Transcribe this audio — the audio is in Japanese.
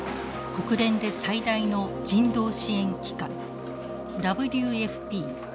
国連で最大の人道支援機関ＷＦＰ世界食糧計画。